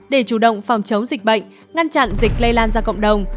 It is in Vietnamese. để chủ động phòng chống dịch bệnh ngăn chặn dịch lây lan ra cộng đồng